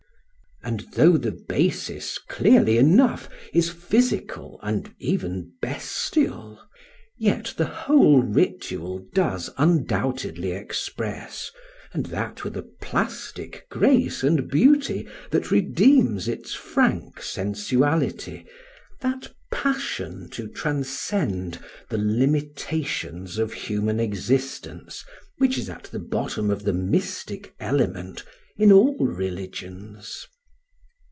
And though the basis, clearly enough, is physical and even bestial, yet the whole ritual does undoubtedly express, and that with a plastic grace and beauty that redeems its frank sensuality, that passion to transcend the limitations of human existence which is at the bottom of the mystic element in all religions.